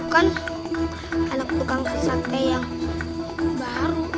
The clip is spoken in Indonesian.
kan anak bukankah sate yang baru